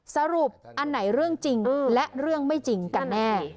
สรุปอันไหนเรื่องจริงและเรื่องไม่จริงกันแน่